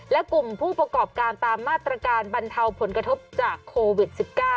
และกลุ่มผู้ประกอบการตามมาตรการบรรเทาผลกระทบจากโควิด๑๙